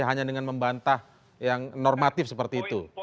hanya dengan membantah yang normatif seperti itu